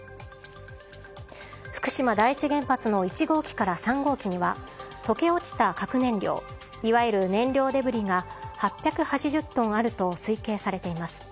福島第一原発の１号機から３号機には溶け落ちた核燃料いわゆる燃料デブリが８８０トンあると推計されています。